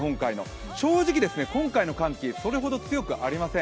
正直、今回の寒気それほど強くありません。